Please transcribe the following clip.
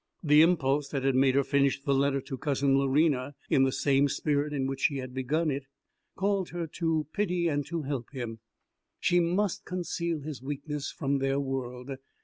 The impulse that had made her finish the letter to Cousin Lorena in the same spirit in which she had begun it called her to pity and help him. She must conceal his weakness from their world.